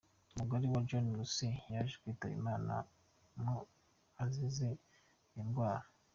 Umugore we John Casey yaje kwitaba Imana mu azize iyo ndwara.